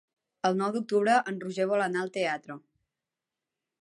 El nou d'octubre en Roger vol anar al teatre.